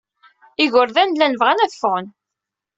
Igerdan llan bɣan ad ffɣen.